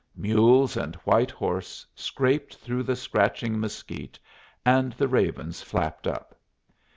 Mules and white horse scraped through the scratching mesquite, and the ravens flapped up.